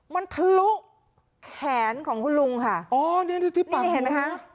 มันทะลุแขนของคุณลุงค่ะอ๋อนี่ที่ปากเห็นไหมคะ